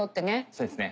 そうですね。